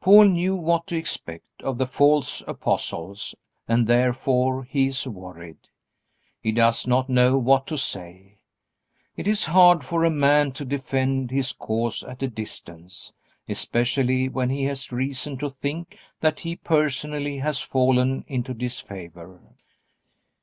Paul knew what to expect of the false apostles and therefore he is worried. He does not know what to say. It is hard for a man to defend his cause at a distance, especially when he has reason to think that he personally has fallen into disfavor.